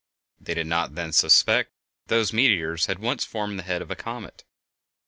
They did not then suspect that those meteors had once formed the head of a comet.